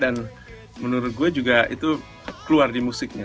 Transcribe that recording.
dan menurut gue juga itu keluar di musiknya